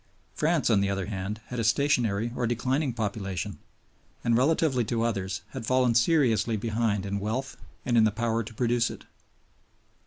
France on the other hand had a stationary or declining population, and, relatively to others, had fallen seriously behind in wealth and in the power to produce it.